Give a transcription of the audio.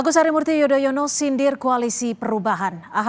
selamat malam pak medi kompas petang